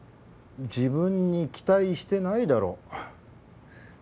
自分に期待してないだろ。